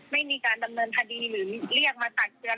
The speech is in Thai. ไม่มีการดำเนินคดีหรือเรียกมาตักเตือน